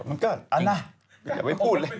มันก็เอาล่ะไปพูดเลย